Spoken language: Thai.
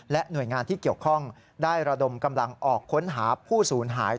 หน่วยงานที่เกี่ยวข้องได้ระดมกำลังออกค้นหาผู้สูญหาย